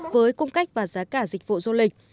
với cung cách và giá cả dịch vụ du lịch